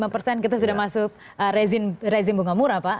lima persen kita sudah masuk rezim bunga murah pak